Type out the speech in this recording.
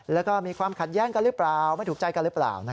แล้วก็มีความขัดแย้งกันหรือเปล่าไม่ถูกใจกันหรือเปล่า